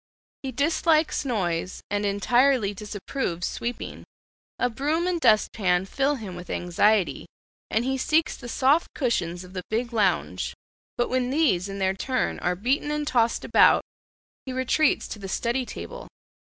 He dislikes noise, and entirely disapproves sweeping. A broom and dustpan fill him with anxiety, and he seeks the soft cushions of the big lounge; but when these in their turn are beaten and tossed about, he retreats to the study table.